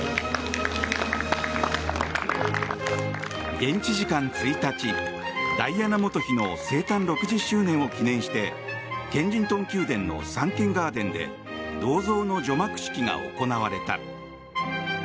現地時間１日、ダイアナ元妃の生誕６０周年を記念してケンジントン宮殿のサンケンガーデンで銅像の除幕式が行われた。